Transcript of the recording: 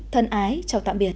thân ái chào tạm biệt